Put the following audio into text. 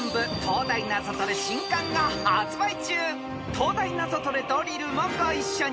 ［『東大ナゾトレドリル』もご一緒に］